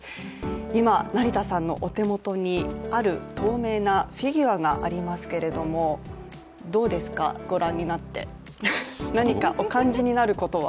今、成田さんのお手元にある、透明なフィギュアがありますけれどもどうですか、ご覧になって、何かお感じになることは？